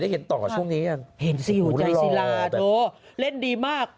พี่เห็นต่อช่วงนี้หัวใจศีลาโหเล่นดีมาก